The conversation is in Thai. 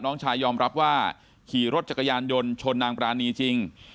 น้องชายยอมรับว่าขี่รถจักรยานยนต์ชนนางปรานีจริง